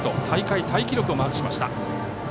大会タイ記録をマークしました。